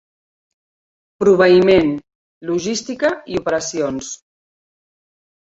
Proveïment, logística i operacions.